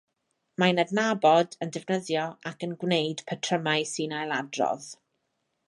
Mae'n adnabod, yn defnyddio ac yn gwneud patrymau sy'n ailadrodd